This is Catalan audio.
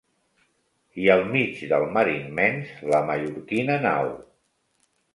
I al mig del mar immens la mallorquina nau.